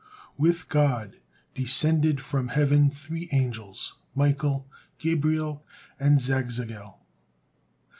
'" With God descended from heaven three angels, Michael, Gabriel, and Zagzagel.